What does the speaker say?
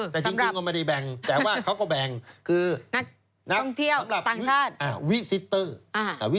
แต่จริงมันไม่ได้แบ่งแต่ว่าเขาก็แบ่งคือนักท่องเที่ยวต่างชาติ